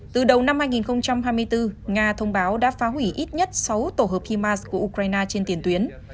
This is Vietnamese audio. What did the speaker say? từ đầu năm hai nghìn hai mươi bốn nga thông báo đã phá hủy ít nhất sáu tổ hợp himas của ukraine trên tiền tuyến